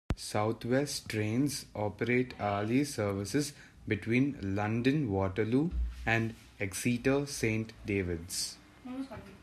South West Trains operate hourly services between London Waterloo and Exeter Saint Davids.